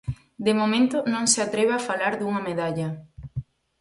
De momento non se atreve a falar dunha medalla.